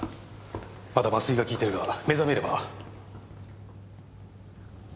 まだ麻酔が効いてるが目覚めれば。